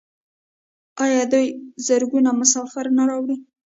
آیا دوی زرګونه مسافر نه راوړي؟